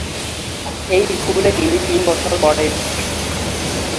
এই স্কুলে তিনি তিন বছর পড়েন।